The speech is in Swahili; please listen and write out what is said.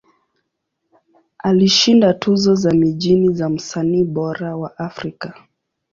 Alishinda tuzo za mijini za Msanii Bora wa Afrika.